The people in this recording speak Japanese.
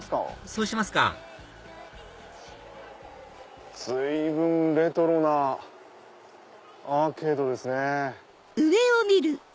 そうしますか随分レトロなアーケードですね。